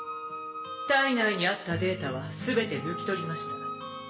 体内にあったデータは全て抜き取りました。